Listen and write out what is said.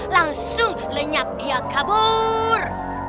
langsung lenyap dia kabur